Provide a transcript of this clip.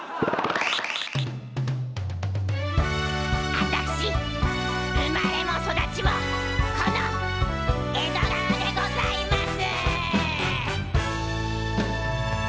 あたし生まれも育ちもこの江戸川でございます。